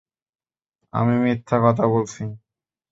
আমি মিথ্যা কথা বলছি?